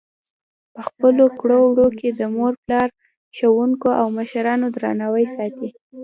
په خپلو کړو وړو کې د مور پلار، ښوونکو او مشرانو درناوی ساتي.